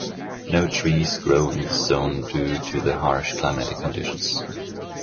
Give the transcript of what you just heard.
No trees grow in this zone due to the harsh climatic conditions.